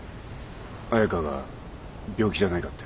彩佳が病気じゃないかって。